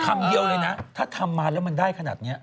คำเดียวเลยนะถ้าทำมาแล้วมันได้ขนาดนี้